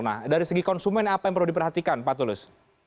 nah dari segi konsumen apa yang perlu diperhatikan pak tulus